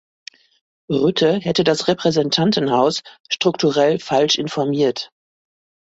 Rutte hätte das Repräsentantenhaus strukturell falsch informiert.